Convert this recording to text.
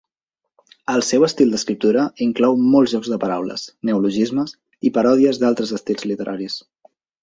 El seu estil d'escriptura inclou molts jocs de paraules, neologismes i parodies d'altres estils literaris.